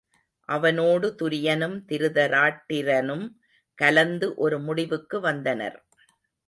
அவனோடு துரியனும் திருதராட்டி ரனும் கலந்து ஒரு முடிவுக்கு வந்தனர்.